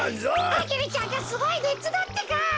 アゲルちゃんがすごいねつだってか！